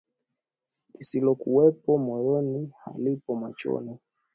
Lisilokuwapo moyoni, halipo machoni